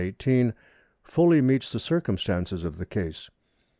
118, fully meets the circumstances of the case.